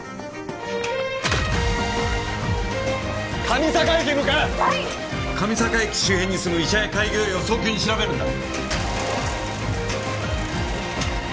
上坂駅周辺に住む医者や開業医を早急に調べるんだ！